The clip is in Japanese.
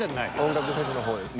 音楽フェスの方ですか。